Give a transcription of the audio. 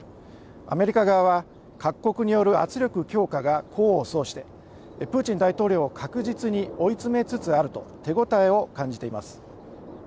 アメリカ側は各国による圧力強化が功を奏してプーチン大統領を確実に追い詰めつつあると手応えを感じています。